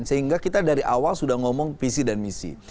sehingga kita dari awal sudah ngomong visi dan misi